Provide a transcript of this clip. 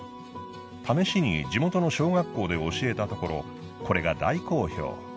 試しに地元の小学校で教えたところこれが大好評。